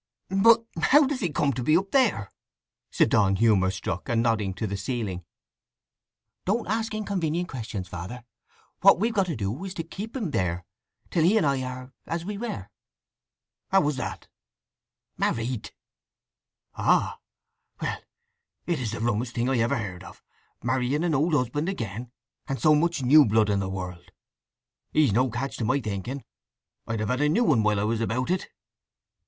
"But how does he come to be up there?" said Donn, humour struck, and nodding to the ceiling. "Don't ask inconvenient questions, Father. What we've to do is to keep him here till he and I are—as we were." "How was that?" "Married." "Ah… Well it is the rummest thing I ever heard of—marrying an old husband again, and so much new blood in the world! He's no catch, to my thinking. I'd have had a new one while I was about it."